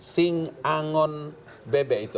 sing angon bebek itu